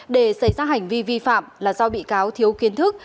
để xảy ra hành vi vi phạm là do bị cáo thiếu kiến thức